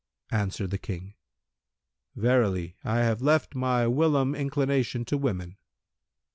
Answered the King, 'Verily, I have left my whilome inclination to women.'